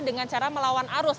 dengan cara melawan arus